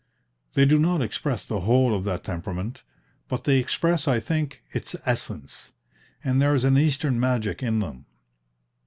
They do not express the whole of that temperament; but they express, I think, its essence; and there is an Eastern magic in them.